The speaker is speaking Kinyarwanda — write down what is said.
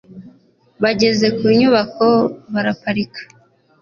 bageze ku nyubako baraparika